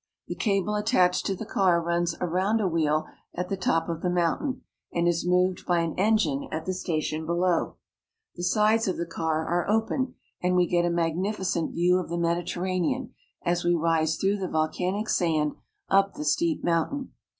The cable attached to the car runs around a wheel at the top of the mountain, and is moved by an engine at the station below. The sides of the car are open, and we get a magnificent view of the Mediterranean as we rise through the volcanic sand up the steep mountain.